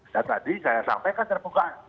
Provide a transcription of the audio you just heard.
dan tadi saya sampaikan saya bukaan